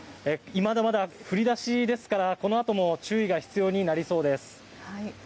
まだ降り出しですからこのあとも注意が必要になりそうです。